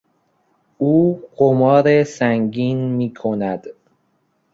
او قمار سنگین میکند.